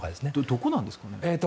どこなんですかね。